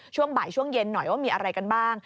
ช่วงบ่ายช่วงเย็นหน่อยว่ามีอะไรกันบ้าง